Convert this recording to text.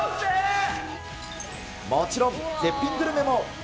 もちろん、絶品グルメも。